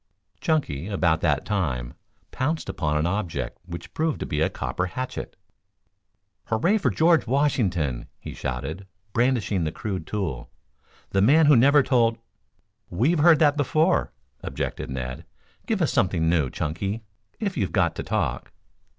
Chunky, about that time, pounced upon an object which proved to be a copper hatchet. "Hurray for George Washington!" he shouted, brandishing the crude tool. "The man who never told " "We've heard that before," objected Ned. "Give us something new, Chunky, if you've got to talk."